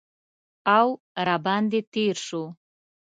او را باندې تیر شو